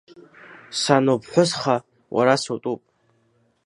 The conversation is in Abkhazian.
Сануԥҳәысха уара сутәуп…